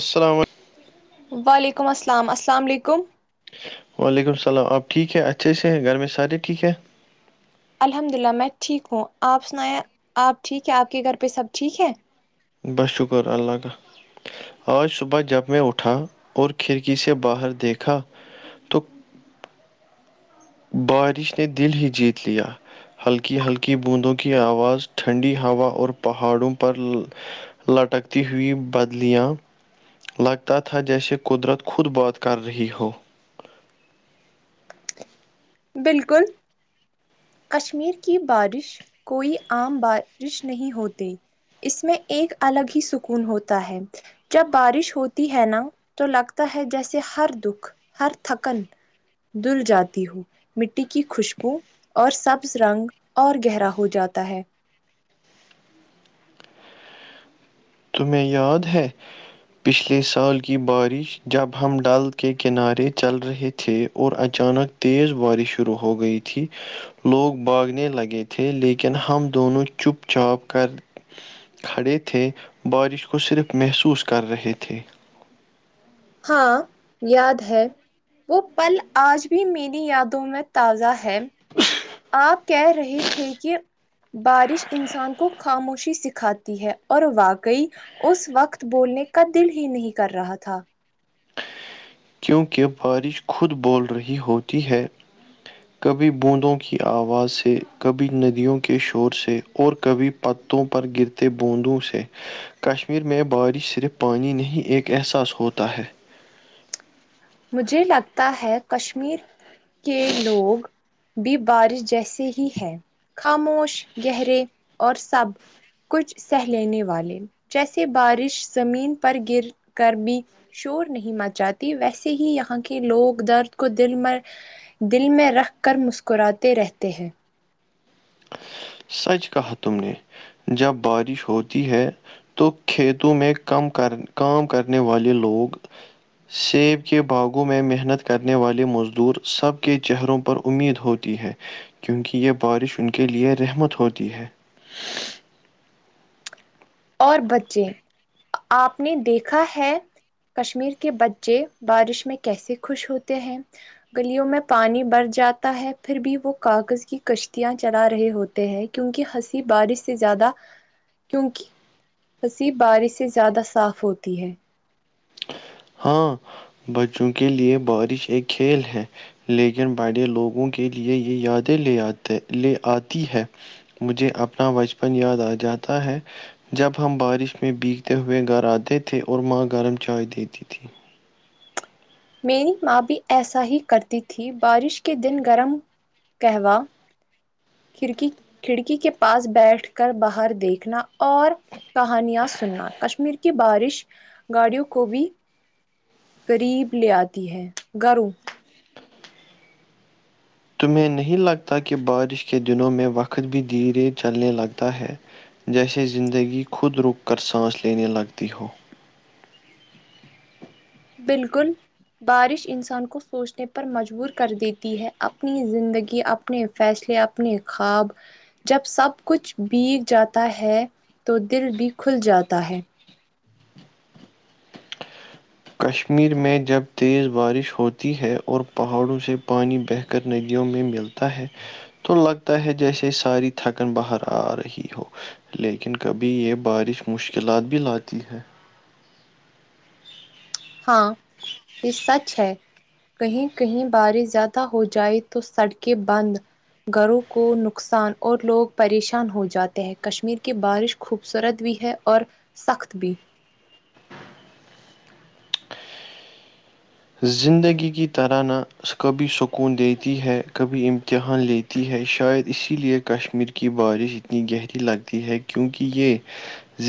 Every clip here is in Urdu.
اسلام علیکم وعلیکم السلام السلام علیکم وعلیکم السلام آپ ٹھیک ہے اچھے سے ہیں گھر میں سارے ٹھیک ہیں الحمد للہ میں ٹھیک ہوں آپ سنایں آپ ٹھیک ہے آپ کے گھر پہ سب ٹھیک ہیں بس شکر اللہ کا آج صبح جب میں اٹھا اور کھڑکی سے باہر دیکھا تو بارش نے دل ہی جیت لیا ہلکی ہلکی بوندوں کی آواز ٹھنڈی ہوا اور پہاڑوں پر لٹکتی ہوئی بدلیاں لگتا تھا جیسے قدرت خود بات کر رہی ہو بالکل کشمیر کی بارش کوئی عام بارش نہیں ہوتی اس میں ایک الگ ہی سکون ہوتا ہے جب بارش ہوتی ہے نا تو لگتا ہے جیسے ہر دکھ ہر تھکن دل جاتی ہو مٹی کی خوشبو اور سبز رنگ اور گہرا ہو جاتا ہے تمہیں یاد ہے پچھلے سال کی بارش جب ہم ڈل کے کنارے چل رہے تھے اور اچانک تیز بارش شروع ہو گئی تھی لوگ بھاگنے لگے تھے لیکن ہم دونوں چپ چاپ کر کھڑے تھے بارش کو صرف محسوس کر رہے تھے ہاں یاد ہے وہ پل آج بھی میری یادوں میں تازہ ہے آپ کہہ رہے تھے کہ بارش انسان کو خاموشی سکھاتی ہے اور واقعی اس وقت بولنے کا دل ہی نہیں کر رہا تھا کیونکہ بارش خود بول رہی ہوتی ہے کبھی بوندوں کی آواز سے کبھی ندیوں کے شور سے اور کبھی پتوں پر گرتے بوندوں سے کشمیر میں بارش صرف پانی نہیں ایک احساس ہوتا ہے مجھے لگتا ہے کشمیر کے لوگ بھی بارش جیسے ہی ہے خاموش گہرے اور سب کچھ سہ لینے والے جیسے بارش زمین پر گر کر بھی شور نہیں مچاتے ویسے ہی یہاں کے لوگ درد کو دل میں دل میں رکھ کر مسکراتے رہتے ہیں سچ کہا تم نے جب بارش ہوتی ہے تو کھیتوں میں کم کر کام کرنے والے لوگ سیب کے باغوں میں محنت کرنے والے مزدور سب کے چہروں پر امید ہوتی ہے کیونکہ یہ بارش ان کے لیئے رحمت ہوتی ہے اور بچے آپ نے دیکھا ہے کشمیر کے بچے بارش میں کیسے خوش ہوتے ہیں گلیوں میں پانی بھر جاتا ہے پھر بھی وہ کاغذ کی کشتیاں چلا رہے ہو تے ہیں کیونکہ ہنسی بارش سے زیادہ کیونکہ ہنسی بارش سے زیادہ صاف ہوتی ہے ہاں بچوں کے لیے بارش ایک کھیل ہے لیکن بڑھے لوگوں کے لیے یہ یادیں لے آتے لے آتی ہے مجھے اپنا بچپن یاد آ جاتا ہے جب ہم بارش میں بیگتے ہوئے گھر آتے تھے اور ماں گرم چائے دیتی تھی میری ماں بھی ایسا ہی کرتی تھی بارش کے دن گرم قہوہ کھڑکی کھڑکی کے پاس بیٹھ کر باہر دیکھنا اور کہانیاں سننا کشمیر کی بارش گاڑیوں کو بھی قریب لے آتی ہے گھروں تمہیں نہیں لگتا کہ بارش کے دنوں میں وقت بھی دھیرے چلنے لگتا ہے جیسے زندگی خود رک کر سانس لینے لگتی ہو بالکل بارش انسان کو سوچنے پر مجبور کر دیتی ہے اپنی زندگی اپ اپنے فیصلے اپنے خواب جب سب کچھ بھیگ جاتا ہے تو دل بھی کھل جاتا ہے کشمیر میں جب تیز بارش ہوتی ہے اور پہاڑوں سے پانی بہ کر ندیوں میں ملتا ہے تو لگتا ہے جیسے ساری تھکن باہر آ رہی ہو لیکن کبھی یہ بارش مشکلات بھی لاتی ہے ہاں یہ سچ ہے کہیں کہیں بارش زیادہ ہو جائے تو سڑکیں بند گھروں کو نقصان اور لوگ پریشان ہو جاتے ہیں کشمیر کی بارش خوبصورت بھی ہے اور سخت بھی زندگی کی طرح نہ کبھی سکون دیتی ہے کبھی امتحان لیتی تی ہے شاید اسی لیے کشمیر کی بارش اتنی گہری لگتی ہے کیونکہ یہ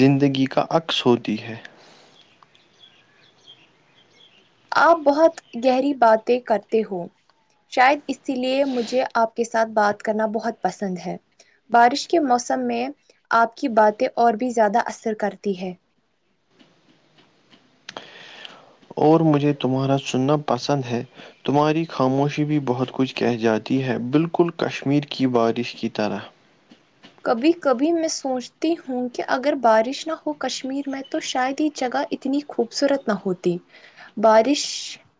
زندگی کا عکس ہوتی ہے آپ بہت گہری باتیں کرتے ہو شاید اسی لیے مجھے آپ کے ساتھ بات کرنا بہت پسند ہے بارش کے موسم میں آپ کی باتیں اور بھی زیادہ اثر کرتی ہے اور مجھے تمہارا سننا پسند ہے تمہاری خاموشی بھی بہت کچھ کہہ جاتی ہے بالکل کشمیر کی بارش کی طرح کبھی کبھی میں سوچتی ہوں کہ اگر بارش نہ ہو کشمیر میں تو شاید یہ جگہ اتنی خوبصورت نہ ہوتی بارش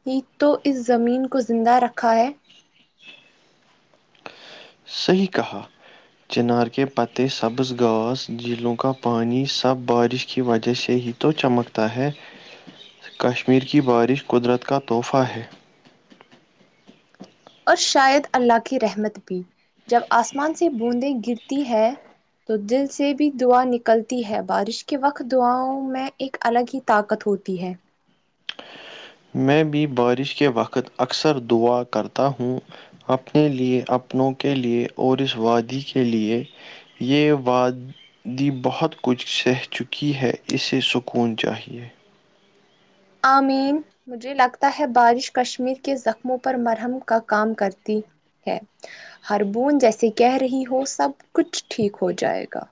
ہی تو اس زمین کو زندہ رکھا ہے صحیح کہا چنار کے پتے سبز گھاس جھیلوں کا پانی سب بارش کی وجہ سے ہی تو چمکتا ہے کشمیر کی بارش قدرت کا تحفہ ہے اور شاید اللہ کی رحمت بھی جب آسمان سے بوندیں گرتی ہے تو دل سے بھی دعا نکلتی ہے بارش کے وقت دعاؤں میں ایک الگ ہی طاقت ہوتی ہے میں بھی بارش کے وقت اکثر دعا کرتا ہوں اپنے لیے اپنوں کے لیے اور اس وادی کے لیے یہ واد دی بہت کچھ سہ چکی ہے اسے سکون چاہیے امین مجھے لگتا ہے بارش کشمیر کے زخموں پر مرہم کا کام کرتی ہے ہار بوند جیسے کہہ رہی ہو سب کچھ ٹھیک ہو جائے گا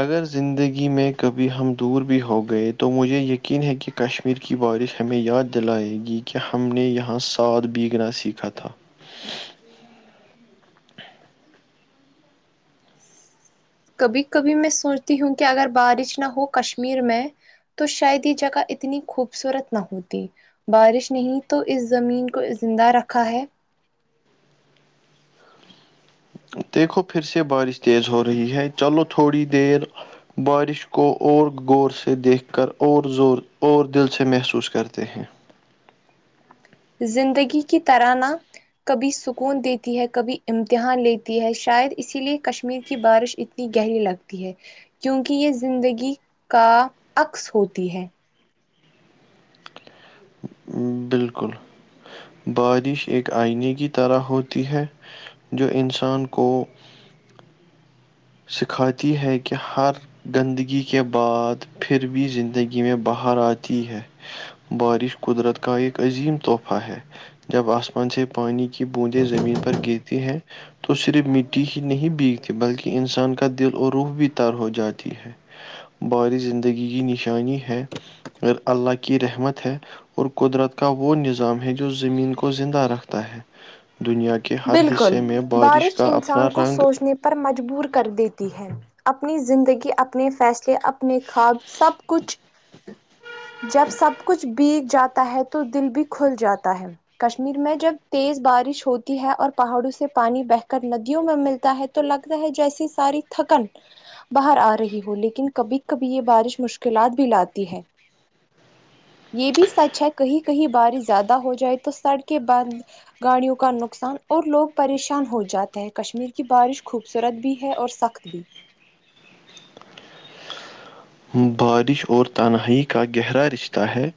اگر زندگی میں کبھی ہم دور بھی ہو گئے تو مجھے یقین ہے کہ کشمیر کی بارش ہمیں یاد دلائے گی کہ ہم نے یہاں سات بیگنا سیکھا تھا کبھی کبھی میں سوچتی ہوں کہ اگر بارش نہ ہو کشمیر میں تو شاید یہ جگہ اتنی خوبصورت نہ ہوتی بارش نے ہے تو اس زمین کو زندہ رکھا ہے دیکھو پھر سے بارش تیز ہو رہی ہے چلو تھوڑی دیر بارش کو اور غور سے دیکھ کر اور زور اور دل سے محسوس کرتے ہیں زندگی کی طرح نہ کبھی سکون دیتی ہے کبھی امتحان لیتی ہے شاید اسی لیے کشمیر کی بارش ات نی گہری لگتی ہے کیونکہ یہ زندگی کا عکس ہوتی ہے بالکل بارش ایک آئینے کی طرح ہوتی ہے جو انسان کو سکھاتی ہے کہ ہر گندگی کے بعد پھر بھی زندگی میں باہر آتی ہے بارش قدرت کا ایک عظیم تحفہ ہے جب آسمان سے پانی کی بوندیں زمین پر گرتی ہیں تو صرف مٹی ہی نہیں بیگتی بلکہ انسان کا دل اور روح بھی تر ہو جاتی ہے بارش زندگی کی نشانی ہے اور اللہ کی رحمت ہے اور قدرت کا وہ نظام ہے جو زمین کو زندہ رکھتا ہے دنیا کے ہر بالکل حصے میں بارش کا اپنا انسان کو رنگ سوچنے پر مجبور کر دیتی ہے اپنی زندگی اپنے فیصلے اپنے خواب سب کچھ جب سب کچھ بیگ جاتا ہے تو دل بھی کھل جاتا ہے کشمیر میں جب تیز بارش ہو تی ہے اور پہاڑوں سے پانی بہ کر ندیوں میں ملتا ہے تو لگتا ہے جیسی ساری تھکن باہر آ رہی ہو لیکن کبھی کبھی یہ بارش مشکلات بھی لاتی ہے یہ بھی سچ ہے کہیں کہیں بارش زیادہ ہو جائے تو سڑکیں بند گاڑیوں کا نک نقصان اور لوگ پریشان ہو جاتے ہیں کشمیر کی بارش خوبصورت بھی ہے اور سخت بھی بارش اور تنہائی کا گہرا رشتہ ہے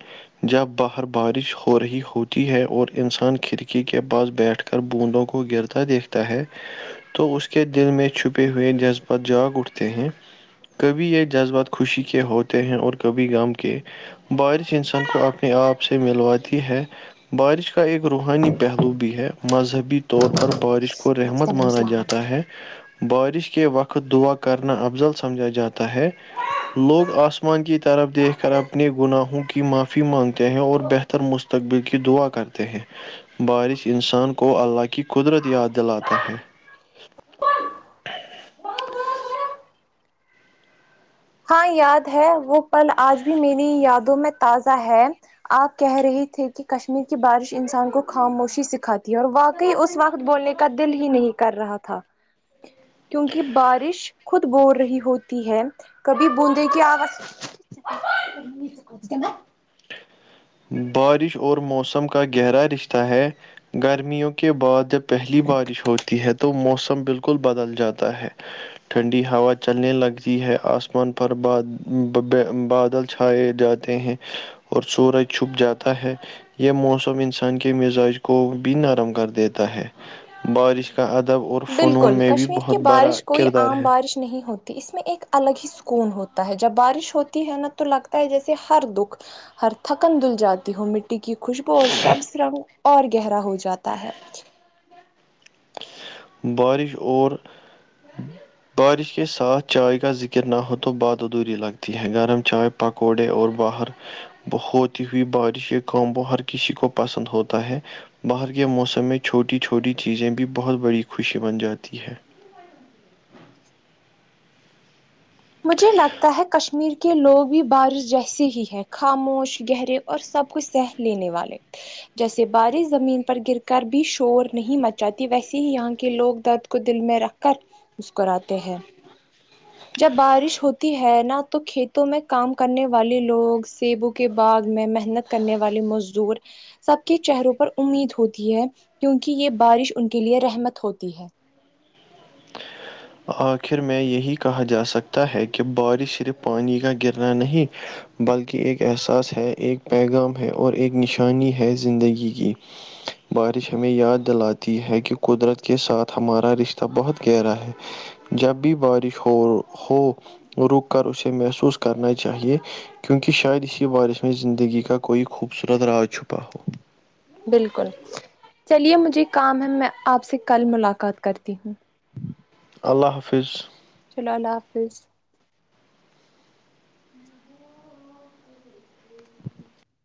جب باہر بارش ہو رہی ہوتی ہے اور انسان کھڑکی کے پاس بیٹھ کر بوندوں کو گرتا دیکھتا ہے تو اس کے دل میں چھپے ہوئے جذبات جاگ اٹھتے ہیں کبھی یہ جذبات خوشی کے ہوتے ہیں اور کبھی غم کے بارش انسان کو آپ آپ سے ملواتی ہے بارش کا ایک روحانی پہلو بھی ہے مذہبی طور پر بارش کو رحمت مانا جاتا ہے بارش کے وقت دعا کرنا افضل سمجھا جاتا ہے لوگ آسمان کی طرف دیکھ کر اپنے گناہوں کی معافی مانگتے ہیں اور بہتر مست تقبل کی دعا کرتے ہیں بارش انسان کو اللہ کی قدرت یاد دلاتا ہے ہاں یاد ہے وہ پل آج بھی میری یادوں میں تازہ ہے آپ کہہ رہے تھے کہ کشمیر کی بارش انسان کو خاموشی سکھاتی ہے اور واقعی اس وقت بولنے کا دل ہی نہیں کر رہا تھا [inaudible] کیونکی بارش خود بور رہی ہوتی ہے کبھی بوندھیں کی آواز بارش اور موسم کا گہرا رشتہ ہے گرمیوں کے بعد جب پہلی بارش ہوتی ہے تو موسم بالکل بدل جاتا ہے ٹھنڈی ہوا چلنے لگتی ہے آسمان پر با بباے بادل چھائے جا تے ہیں اور سورج چھپ جاتا ہے یہ موسم انسان کے مزاج کو بھی نرم کر دیتا ہے بارش کا ادب اور فنون بالکل میں بھی کشمیر بہت کی بڑا بارش کوئی کردار عام ہے بارش نہیں ہوتی اس میں ایک الگ ہی سکون ہوتا ہے جب بارش ہوتی ہے نا تو لگتا ہے جیسے ہر دکھ ہر تھکن دھل جاتی ہو مٹی کی خوشبو اور سب سرگ اور گہرا ہو جاتا ہے بارش اور بارش کے ساتھ چائے کا ذکر نہ ہو تو بات ادھوری لگتی ہے گرم چائے پکوڑے اور باہر وہ ہوتی ہوئی بارش یہ کام وہ ہر کسی کو پسند ہوتا ہے باہر کے موسم میں چھوٹی چھوٹی چیزیں بھی بہت بڑی خوشی بن جاتی ہے مجھے لگتا ہے کشمیر کہ لوگ بھی بارش جیسے ہی ہے خاموش گہرے اور سب کچھ سہ لینے والے جیسے بارش زمین پر گر کر بھی شور نہیں مچاتی ویسے ہی یہاں کے لوگ درد کو دل میں رکھ کر مسکراتے ہیں جب بارش ہوتی ہے نا تو کھیتوں میں کام کرنے والے لوگ سیبو کے باغ میں محنت کرنے والے مزدور سب کے چہروں پر امید ہوتی ہے کیونکہ یہ بارش ان کے لیے رحمت ہوتی ہے آخر میں یہی کہا جا سکتا ہے کہ بارش صرف پانی کا گرنا نہیں بلکہ ایک احساس ہے ایک پیغام ہے اور ایک نشانی ہے زندگی کی بارش ہمیں یاد دلاتی ہے کہ قدرت کے ساتھ ہمارا رشتہ بہت گہرا ہے جب بھی بارش ہو ہو رک کر اسے محسوس کرنا چاہیے کیونکہ شاید اس کی بارث میں زندگی کا کوئی خوبصورت راج چھپا ہو بالکل چلیے مجھے کام ہے میں آپ سے کل ملاقات کرتی ہوں اللہ حافظ چلو اللہ حافظ